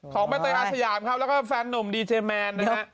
ของใบเตยการสยามครับแล้วก็ฝานหนุ่มดีเจอร์แมนนะฮะ